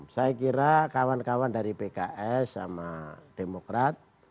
saya kira kawan kawan dari pks sama demokrat